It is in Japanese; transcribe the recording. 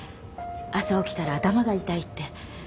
朝起きたら頭が痛いって。